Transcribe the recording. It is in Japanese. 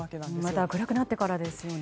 また暗くなってからですよね。